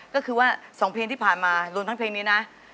ก็คือว่า๒เพลงที่ผ่านมารวมทั้งเพลงนี้นะ